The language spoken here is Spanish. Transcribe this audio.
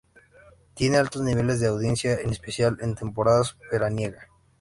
Tiene altos niveles de audiencia, en especial en temporada veraniega.